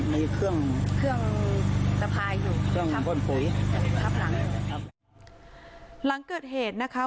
มีเครื่องควรภูย์ครับครับหลังครับหลังเกิดเหตุนะคะ